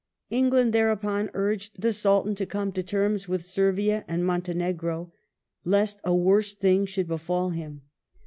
^ England, thereupon, urged the Sultan to come to terms with Servia and Montenegit), lest a woi se thing should befall him.